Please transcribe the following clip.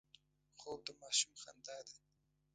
خوب د ماشوم خندا ده